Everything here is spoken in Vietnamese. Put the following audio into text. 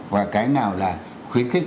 và cái nào là khuyến khích